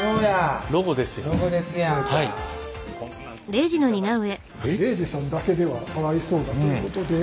礼二さんだけではかわいそうだということで。